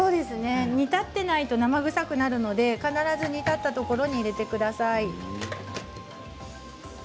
煮立っていないと生臭くなるので必ず煮立ったところに入れてください。